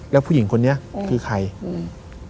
แล้วผู้หญิงคนนี้คือใครอืม